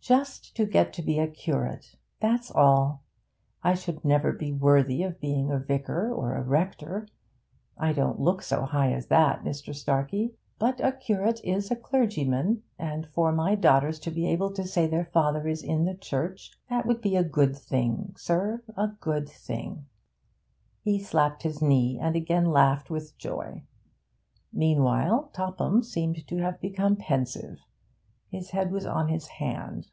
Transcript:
'Just to get to be a curate that's all. I should never be worthy of being a vicar or a rector. I don't look so high as that, Mr. Starkey. But a curate is a clergyman, and for my daughters to be able to say their father is in the Church that would be a good thing, sir, a good thing!' He slapped his knee, and again laughed with joy. Meanwhile Topham seemed to have become pensive, his head was on his hand.